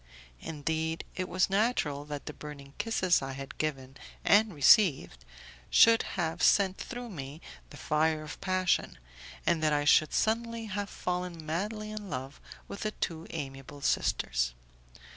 Indeed, it was natural that the burning kisses I had given and received should have sent through me the fire of passion, and that I should suddenly have fallen madly in love with the two amiable sisters.